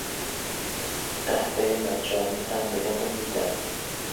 قهوه ی مجانی هم بهمون می دن.